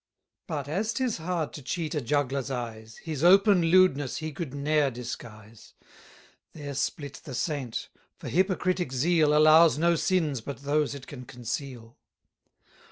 But, as 'tis hard to cheat a juggler's eyes, His open lewdness he could ne'er disguise. There split the saint: for hypocritic zeal Allows no sins but those it can conceal.